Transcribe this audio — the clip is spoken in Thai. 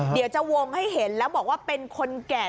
เดี๋ยวจะวงให้เห็นแล้วบอกว่าเป็นคนแก่